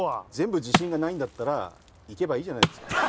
全部自信がないんだったらいけばいいじゃないですか。